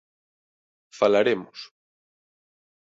Falaremos.